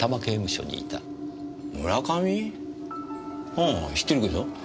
ああ知ってるけど。